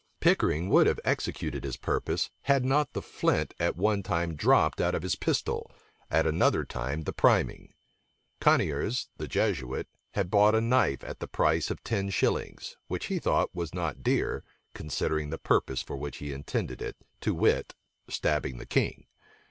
Pickering would have executed his purpose, had not the flint at one time dropped out of his pistol, at another time the priming. Coniers, the Jesuit, had bought a knife at the price of ten shillings, which he thought was not dear, considering the purpose for which he intended it, to wit, stabbing the king.